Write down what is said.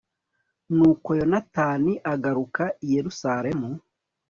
nuko yonatani agaruka i yeruzalemu